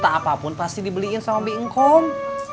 gak mungkin itu dibeliin apa apa sama bik ngkom